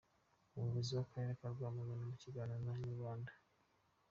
Umuyobozi w’akarere ka Rwamagana mu kiganiro na Inyarwanda.